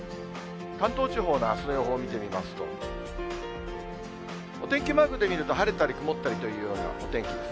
関東地方のあすの予報を見てみますと、お天気マークで見ると、晴れたり曇ったりというようなお天気です。